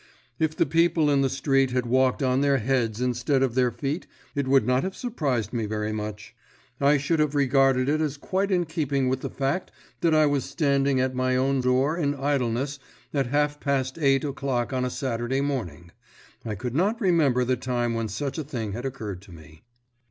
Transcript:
If the people in the street had walked on their heads instead of their feet it would not have surprised me very much. I should have regarded it as quite in keeping with the fact that I was standing at my own street door in idleness at half past eight o'clock on a Saturday morning; I could not remember the time when such a thing had occurred to me.